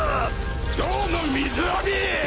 ゾウの水浴び！